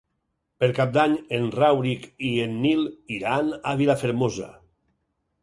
Per Cap d'Any en Rauric i en Nil iran a Vilafermosa.